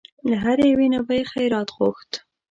له هرې یوې نه به یې خیرات غوښت.